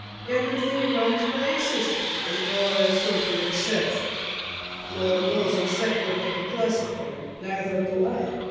Everything runs by system, and you're a sort of exception. No one knows exactly how to classify you. Neither do I.